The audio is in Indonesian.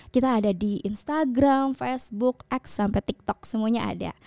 kita ada di instagram facebook x sampai tiktok semuanya ada